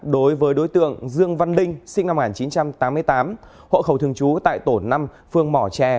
đối với đối tượng dương văn đinh sinh năm một nghìn chín trăm tám mươi tám hộ khẩu thường trú tại tổn năm phương mỏ tre